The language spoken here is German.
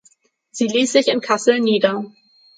Sie ließ sich in Kassel nieder.